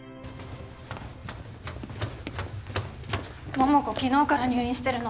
桃子昨日から入院してるの。